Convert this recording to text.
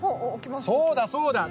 そうだそうだ。